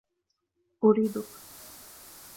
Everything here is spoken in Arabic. أريدك.